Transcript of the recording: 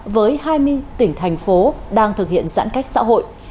với hai mươi tỉnh thành phố đang thực hiện giãn cách xã hội